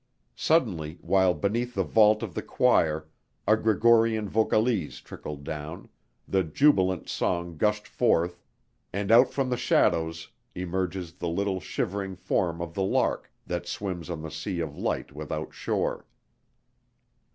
Suddenly, while beneath the vault of the choir a Gregorian vocalise trickled down, the jubilant song gushed forth, and out from the shadows emerges the little shivering form of the lark that swims on the sea of light without shore....